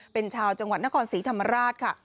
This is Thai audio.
เป็นชาวจังหวัดนครศรีธรรมราชค่ะ